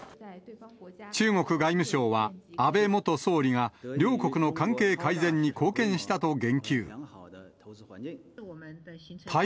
中国外務省は、安倍元総理が両国の関係改善に貢献したと言及。